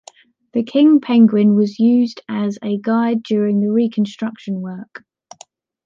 The king penguin was used as a guide during the reconstruction work.